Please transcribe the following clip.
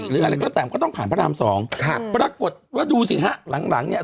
หรืออะไรก็แล้วแต่มันก็ต้องผ่านพระรามสองครับปรากฏว่าดูสิฮะหลังหลังเนี่ย